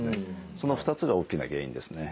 その２つが大きな原因ですね。